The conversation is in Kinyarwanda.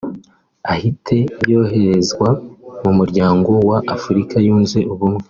ahite yoherezwa mu muryango wa Afurika yunze ubumwe